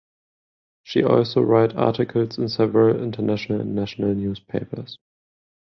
She also write articles in several international and national newspapers.